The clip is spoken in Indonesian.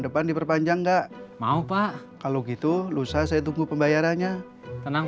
depan diperpanjang enggak mau pak kalau gitu lusa saya tunggu pembayarannya tenang